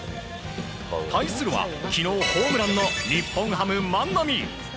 対するは、昨日ホームランの日本ハム、万波。